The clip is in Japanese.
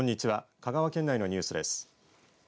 香川県内のニュースです。